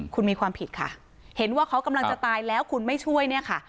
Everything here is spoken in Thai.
คุณมีความผิดค่ะเห็นว่าเขากำลังจะตายแล้วคุณไม่ช่วยเนี่ยค่ะ